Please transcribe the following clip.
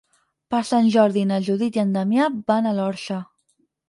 Per Sant Jordi na Judit i en Damià van a l'Orxa.